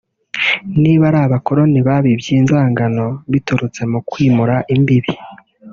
niba ari abakoroni babibye inzangano biturutse mu kwimura imbibe